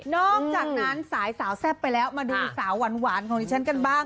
อกจากนั้นสายสาวแซ่บไปแล้วมาดูสาวหวานของดิฉันกันบ้าง